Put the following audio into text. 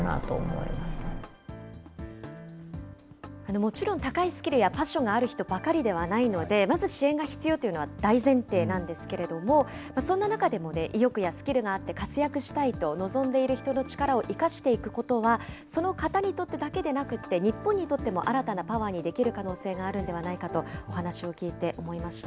もちろん、高いスキルやパッションがある人ばかりではないので、まず支援が必要というのは大前提なんですけれども、そんな中でも意欲やスキルがあって、活躍したいと望んでいる人の力を生かしていくことは、その方にとってだけでなくって、日本にとっても新たなパワーにできる可能性があるんではないかと、お話を聞いて思いました。